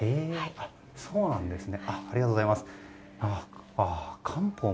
そうなんですね。